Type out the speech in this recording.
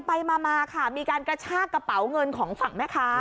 ไปมาค่ะมีการกระชากกระเป๋าเงินของฝั่งแม่ค้า